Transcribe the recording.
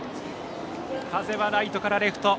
風はライトからレフト。